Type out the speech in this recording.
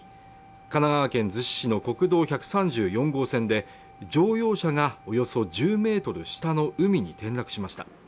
神奈川県逗子市の国道１３４号線で乗用車がおよそ１０メートル下の海に転落しました